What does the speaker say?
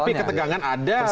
tapi ketegangan ada